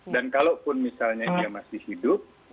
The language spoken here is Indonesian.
dan kalaupun misalnya dia masih hidup